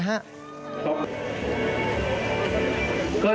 ก็จริงเอาให้ครบร้อยไปหน่อยแล้วกันนะครับ